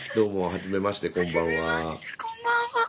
はじめましてこんばんは。